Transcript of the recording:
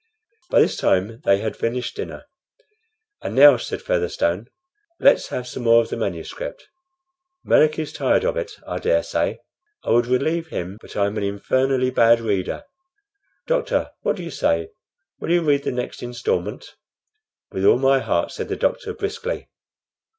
By this time they had finished dinner. "And now," said Featherstone, "let's have some more of the manuscript. Melick is tired of it, I dare say. I would relieve him, but I'm an infernally bad reader. Doctor, what do you say? Will you read the next instalment!" "With all my heart," said the doctor, briskly.